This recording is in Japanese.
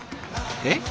えっ？